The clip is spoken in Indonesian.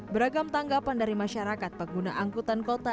beragam tanggapan dari masyarakat pengguna angkutan kota